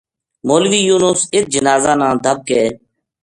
مولوی یونس اِت جنازہ نا دَب کے